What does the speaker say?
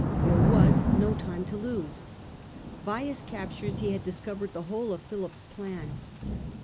There was no time to lose. By his captures he had discovered the whole of Philip's plan.